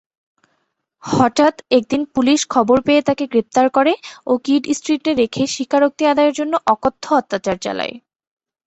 হঠাৎ একদিন পুলিশ খবর পেয়ে তাকে গ্রেপ্তার করে ও কিড স্ট্রিটে রেখে স্বীকারোক্তি আদায়ের জন্যে অকথ্য অত্যাচার চালায়।